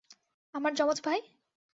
আমার জমজ ভাই?